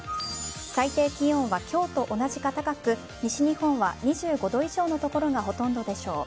最低気温は今日と同じか高く西日本は２５度以上の所がほとんどでしょう。